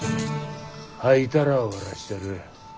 吐いたら終わらしちゃる。